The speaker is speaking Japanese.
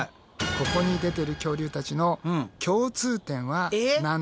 ここに出てる恐竜たちの共通点は何でしょう？